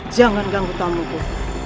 jangan ganggu tamuku